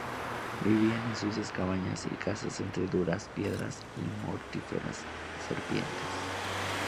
Vivían en sucias cabañas y casas entre duras piedras y mortíferas serpientes.